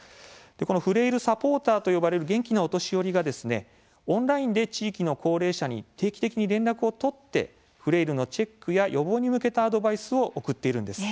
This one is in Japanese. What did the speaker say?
フレイルサポーターと呼ばれる元気なお年寄りがオンラインで地域の高齢者に定期的に連絡を取ってフレイルのチェックや予防に向けたアドバイスを送っているんです。